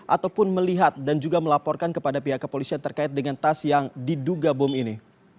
ataupun melihat dan juga melaporkan kepada pihak kepolisian terkait dengan tas yang diduga bom ini